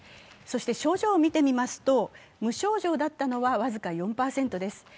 そして症状を見てみますと、無症状だったのは僅か４％です。